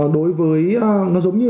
đối với nó giống như